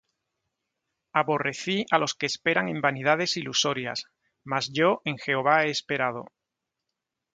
Aborrecí á los que esperan en vanidades ilusorias; Mas yo en Jehová he esperado.